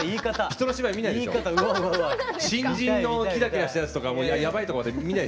新人のキラキラしたやつとかやばいとこまで見ない。